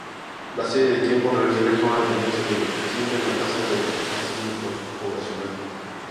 La serie de tiempo refleja una tendencia decreciente en la tasa de crecimiento poblacional.